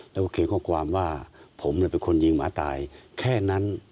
แล้วก็เขียนข้อความว่าผมเป็นคนยิงหมาตายแค่นั้น